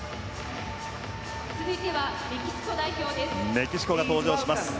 メキシコが登場します。